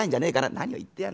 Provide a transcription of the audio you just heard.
『何を言ってやんだ。